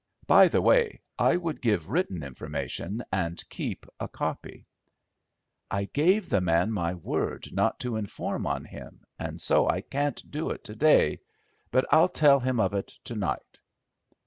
By the way, I would give written information and keep a copy." "I gave the man my word not to inform on him and so I can't do it to day, but I'll tell him of it to night."